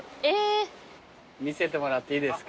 見せてもらっていいですか？